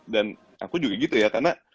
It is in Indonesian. dan aku juga gitu ya karena